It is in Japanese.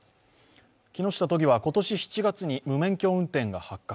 木下都議は今年７月に無免許運転が発覚。